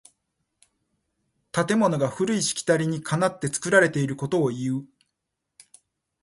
建物が古いしきたりにかなって作られていることをいう。